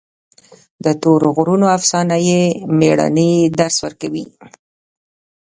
د تورې غرونو افسانه د مېړانې درس ورکوي.